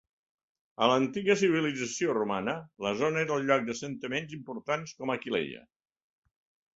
A l'antiga civilització romana, la zona era el lloc d'assentaments importants com Aquileia.